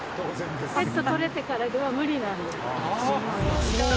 チケット取れたからでは無理なんです。